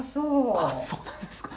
あっそうなんですか。